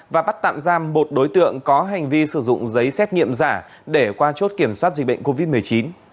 và bắt tạm giam một đối tượng có hành vi sử dụng giấy xét nghiệm giả để qua chốt kiểm soát dịch bệnh covid một mươi chín